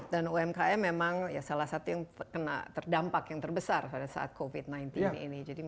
dan umkm memang salah satu yang terdampak yang terbesar pada saat covid sembilan belas ini